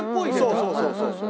そうそうそうそう。